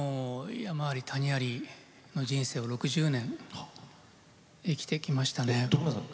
山あり谷ありの人生を６０年生きてきました。